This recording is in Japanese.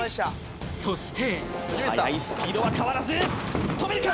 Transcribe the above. そして速いスピードは変わらず跳べるか？